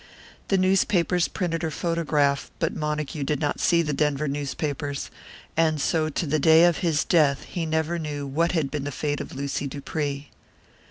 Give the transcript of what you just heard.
The newspapers printed her photograph; but Montague did not see the Denver newspapers, and so to the day of his death he never knew what had been the fate of Lucy Dupree.